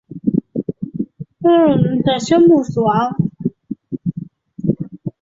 在心脏活动停止后即宣布死亡。